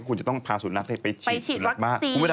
คุณจะต้องพาสุนัขไปฉีดไปฉีดวัคซีนมากเลยค่ะ